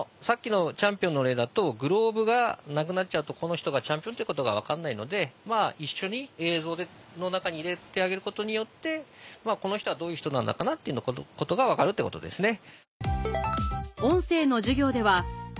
さっきのチャンピオンの例だとグローブがなくなっちゃうとこの人がチャンピオンってことが分かんないので一緒に映像の中に入れてあげることによってこの人はどういう人なのかなってことが分かるってことです。